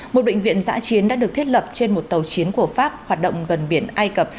một bệnh viện giã chiến đã được thiết lập trên một tàu chiến của pháp hoạt động gần biển ai cập